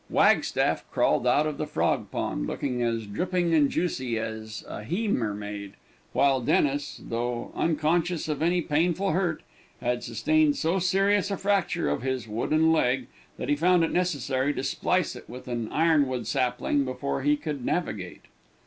Wagstaff crawled out of the frog pond, looking as dripping and juicy as a he mermaid; while Dennis, though unconscious of any painful hurt, had sustained so serious a fracture of his wooden leg, that he found it necessary to splice it with an ironwood sapling before he could navigate.